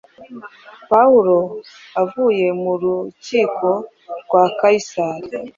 Pawulo avuye mu rukiko rwa Kayisari,